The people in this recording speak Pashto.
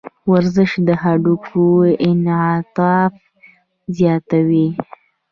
ورزش د هډوکو انعطاف زیاتوي.